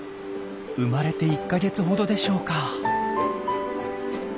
生まれて１か月ほどでしょうか。